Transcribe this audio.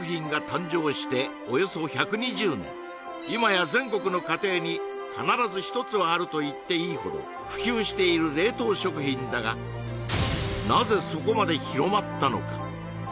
今や全国の家庭に必ず１つはあると言っていいほど普及している冷凍食品だがなぜそこまで広まったのか？